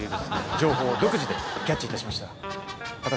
情報を独自でキャッチいたしました。